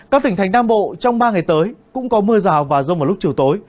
các tỉnh thành nam bộ trong ba ngày tới cũng có mưa rào và rông vào lúc chiều tối